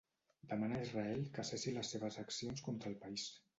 Demana a Israel que cessi les seves accions contra el país.